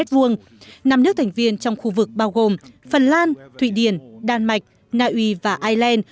năm nước thành viên trong khu vực bao gồm phần lan thụy điển đan mạch nào uy và iceland